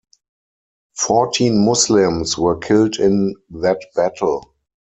Fourteen Muslims were killed in that battle.